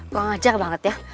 pengajar banget ya